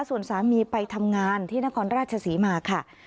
ส่วนสามีไปทำงานที่นครราชศรีมาค่ะ